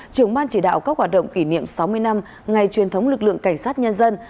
trưởng ban chỉ đạo các hoạt động kỷ niệm sáu mươi năm ngày truyền thống lực lượng cảnh sát nhân dân